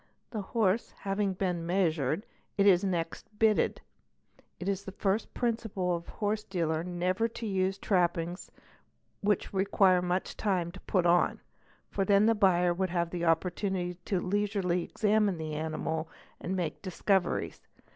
The horse having been measured it is next bitted ; it is a first principle of a horse dealer never to use trappings which require much time to put nm, for then the buyer would have an opportunity to leisurely examine t e animal and make discoveries.